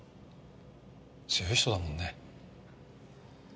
強い人だもんね。